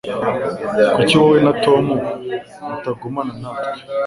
Kuki wowe na Tom mutagumana natwe